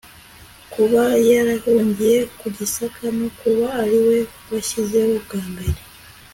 kuba yarahungiye mu gisaka no kuba ari we washyizeho bwa mbere